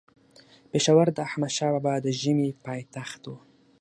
پيښور د احمدشاه بابا د ژمي پايتخت وو